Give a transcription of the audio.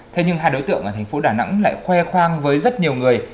thế nhưng hai đối tượng ở thành phố đà nẵng lại khoe khoang với rất nhiều người